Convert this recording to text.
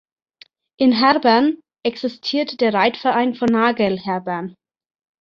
In Herbern existiert der Reitverein von Nagel Herbern.